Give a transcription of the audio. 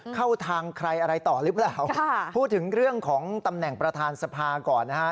เข้าทางใครอะไรต่อหรือเปล่าพูดถึงเรื่องของตำแหน่งประธานสภาก่อนนะฮะ